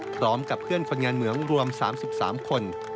พร้อมกับเพื่อนคนงานเหมืองรวม๓๓คน